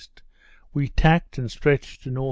we tacked and stretched to N.